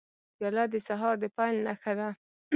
پیاله د سهار د پیل نښه ده.